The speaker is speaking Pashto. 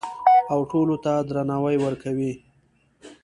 او ټولو ته رڼا ورکوي.